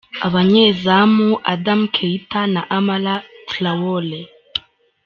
Abazanyemu: Adama Keita, na Amara Traore.